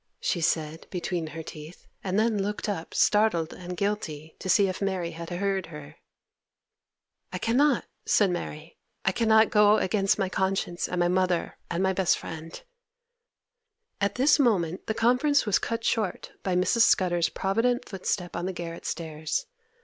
she said, between her teeth, and then looked up, startled and guilty, to see if Mary had heard her. 'I cannot!' said Mary. 'I cannot go against my conscience, and my mother, and my best friend—' At this moment the conference was cut short by Mrs. Scudder's provident footstep on the garret stairs.